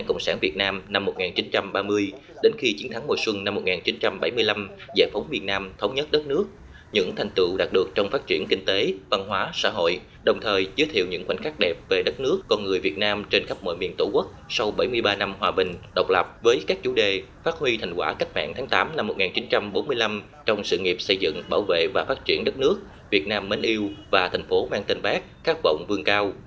các chủ đề phát huy thành quả cách mạng tháng tám năm một nghìn chín trăm bốn mươi năm trong sự nghiệp xây dựng bảo vệ và phát triển đất nước việt nam mến yêu và thành phố mang tên bác các vọng vương cao